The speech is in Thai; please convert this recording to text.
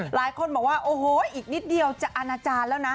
หลายคนบอกว่าโอ้โหอีกนิดเดียวจะอาณาจารย์แล้วนะ